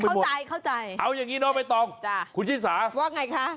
เข้าใจเอาอย่างงี้เนอะไม่ต้องคุณชิ้นสาว่าไงคะ